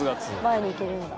前にいけるんだ。